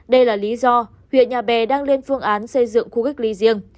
đây là lý do huyện nhà bè đang lên phương án xây dựng khu cách ly riêng